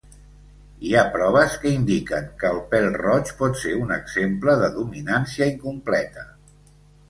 Hi ha proves que indiquen que el pèl-roig pot ser un exemple de dominància incompleta.